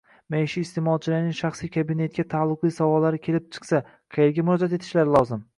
Maishiy isteʼmolchilarning "Shaxsiy kabinet"ga taaluqli savollari kelib chiqsa qayerga murojaat etishlari lozim?